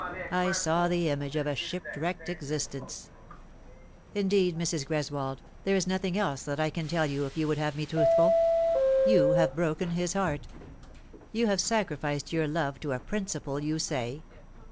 I saw the image of a shipwrecked existence. Indeed, Mrs. Greswold, there is nothing else that I can tell you if you would have me truthful. You have broken his hf.'irt. You have sacrificed your love to a principle, you say.